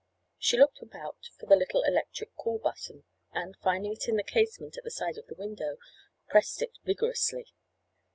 She looked about for the little electric call button, and, finding it in the casement at the side of the window, pressed it vigorously.